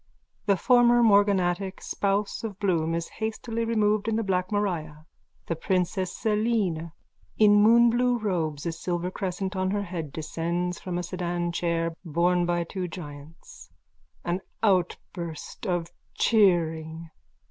_(The former morganatic spouse of Bloom is hastily removed in the Black Maria. The princess Selene, in moonblue robes, a silver crescent on her head, descends from a Sedan chair, borne by two giants. An outburst of cheering.)